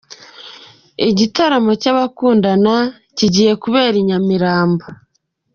Igitaramo cy'abakundana kigiye kubera i Nyamirambo.